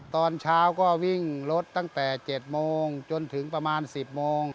ตอนเช้าก็วิ่งรถตั้งแต่๗โมงจนถึงประมาณ๑๐โมง